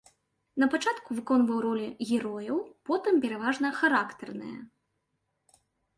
Напачатку выконваў ролі герояў, потым пераважна характарныя.